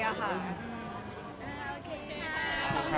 มันเป็นปัญหาจัดการอะไรครับ